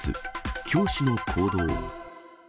教師の行動。